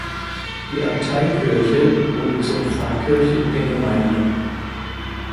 Die Abteikirche wurde zur Pfarrkirche der Gemeinde.